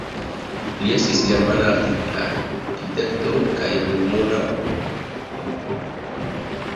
Li estis germana arkitekto kaj renoma konstruisto por fortikaĵoj.